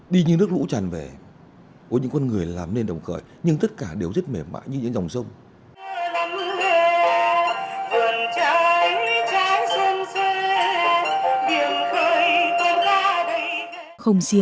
đi như nước lũ tràn về có những con người làm lên đồng cợi nhưng tất cả đều rất mềm mại như những dòng sông